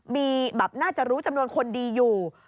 มีแบบน่าจะรู้จำนวนคนดีอยู่